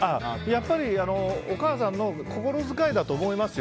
やっぱりお母さんの心遣いだと思いますよ。